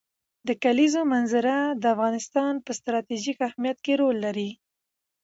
د کلیزو منظره د افغانستان په ستراتیژیک اهمیت کې رول لري.